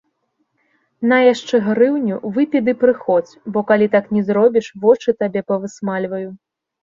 На яшчэ грыўню, выпі ды прыходзь, бо калі так не зробіш, вочы табе павысмальваю.